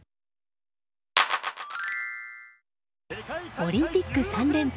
オリンピック３連覇